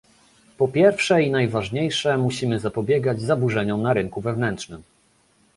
Po pierwsze i najważniejsze, musimy zapobiegać zaburzeniom na rynku wewnętrznym